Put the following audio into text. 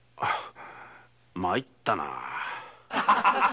参ったな。